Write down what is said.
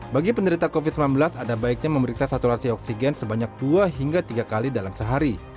bagi penderita covid sembilan belas ada baiknya memeriksa saturasi oksigen sebanyak dua hingga tiga kali dalam sehari